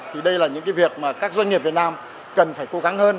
thì đây là những cái việc mà các doanh nghiệp việt nam cần phải cố gắng hơn